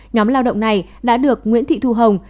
nhóm lao động này đã được nguyễn thị thu hồng